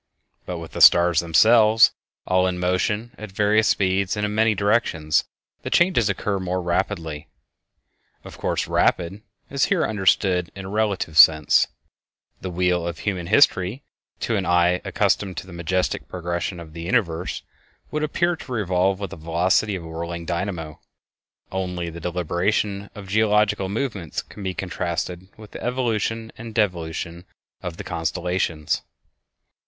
But with the stars themselves all in motion at various speeds and in many directions, the changes occur more rapidly. Of course, "rapid" is here understood in a relative sense; the wheel of human history to an eye accustomed to the majestic progression of the universe would appear to revolve with the velocity of a whirling dynamo. Only the deliberation of geological movements can be contrasted with the evolution and devolution of the constellations.